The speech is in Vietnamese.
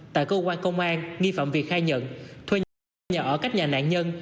tại cơ quan công an nghi phạm việt khai nhận thuê nhà ở cách nhà nạn nhân